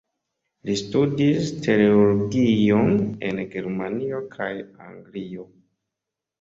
Li studis teologion en Germanio kaj Anglio.